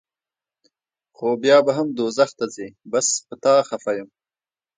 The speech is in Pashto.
خو بیا به هم دوزخ ته ځې بس پۀ تا خفه يم